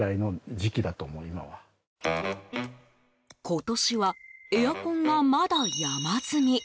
今年はエアコンがまだ山積み。